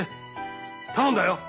頼んだよ。